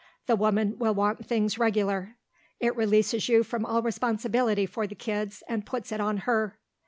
"The woman will want things regular. It releases you from all responsibility for the kids and puts it on her."